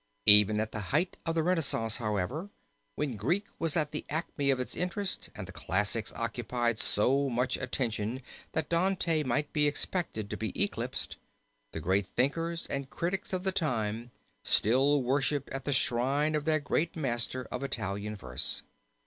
Even at the height of the Renaissance, however, when Greek was at the acme of its interest and the classics occupied so much attention that Dante might be expected to be eclipsed, the great thinkers and critics of the time still worshipped at the shrine of their great master of Italian verse.